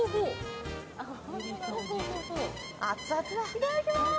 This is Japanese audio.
いただきます。